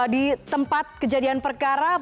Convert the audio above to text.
di tempat kejadian perkara